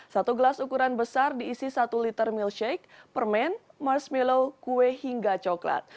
satu gelas ukuran besar diisi satu liter milkshake permen marshmallow kue hingga coklat